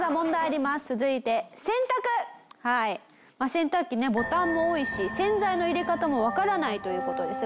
洗濯機ねボタンも多いし洗剤の入れ方もわからないという事です